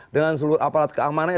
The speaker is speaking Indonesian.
dengan seluruh aparat keamanannya